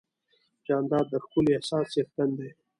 جانداد د ښکلي احساس څښتن دی.